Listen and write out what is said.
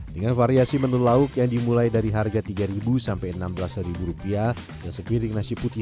dengan variasi menu lauk yang dimulai dari harga tiga sampai enam belas rupiah dan sepiring nasi putih